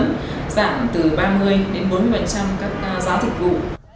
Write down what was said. giảm từ ba mươi đến bốn mươi các giá dịch vụ